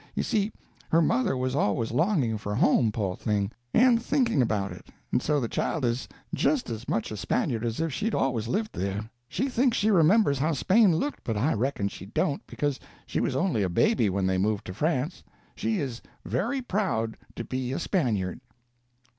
You see, her mother was always longing for home, po' thing! and thinking about it, and so the child is just as much a Spaniard as if she'd always lived there. She thinks she remembers how Spain looked, but I reckon she don't, because she was only a baby when they moved to France. She is very proud to be a Spaniard."